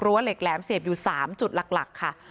รั้วเหล็กแหลมเสพอยู่๓จุดหลักค่ะ